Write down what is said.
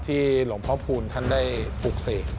หลวงพ่อพูลท่านได้ปลูกเสก